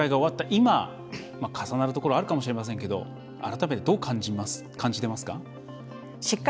今重なるところがあるかもしれませんけど改めて、どう感じてますか？